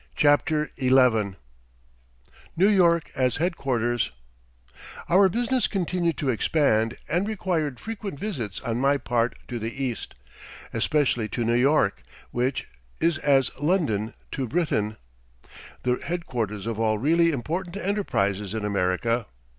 ] CHAPTER XI NEW YORK AS HEADQUARTERS Our business continued to expand and required frequent visits on my part to the East, especially to New York, which is as London to Britain the headquarters of all really important enterprises in America.